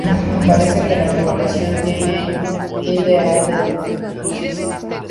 Parece que la población tiende a reducirse.